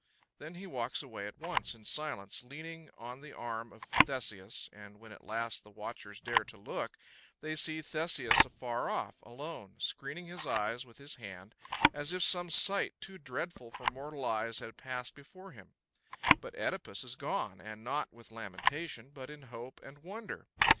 Then he walks away at once in silence, leaning on the arm of Theseus, and when at last the watchers dare to look, they see Theseus afar off, alone, screening his eyes with his hand, as if some sight too dreadful for mortal eyes had passed before him; but OEdipus is gone, and not with lamentation, but in hope and wonder.